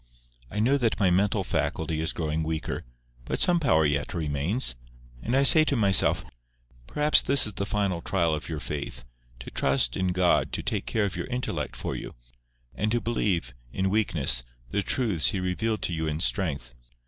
I know that my mental faculty is growing weaker, but some power yet remains; and I say to myself, "Perhaps this is the final trial of your faith—to trust in God to take care of your intellect for you, and to believe, in weakness, the truths He revealed to you in strength.